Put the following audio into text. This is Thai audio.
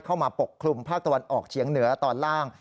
ปกคลุมภาคตะวันออกเฉียงเหนือตอนล่าง